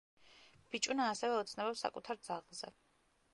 ბიჭუნა ასევე ოცნებობს საკუთარ ძაღლზე.